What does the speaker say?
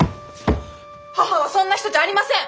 母はそんな人じゃありません！